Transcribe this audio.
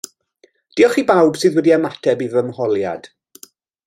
Diolch i bawb sydd wedi ymateb i fy ymholiad.